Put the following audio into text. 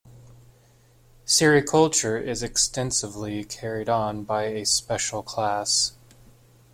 Sericulture is extensively carried on by a special class.